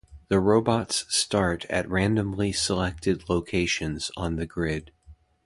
The robots start at randomly selected locations on the grid.